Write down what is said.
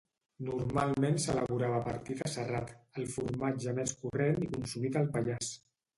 Normalment s'elaborava a partir del serrat, el formatge més corrent i consumit al Pallars.